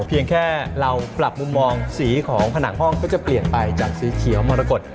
เพียงแค่เราปรับมุมมองสีของผนังห้องก็จะเปลี่ยนไปจากสีเขียวมรกฏ